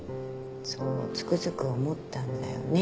そうつくづく思ったんだよね。